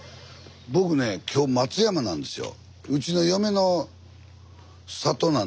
僕ねえ今日松山なんですよ。